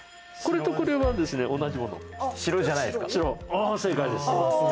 ああ正解です。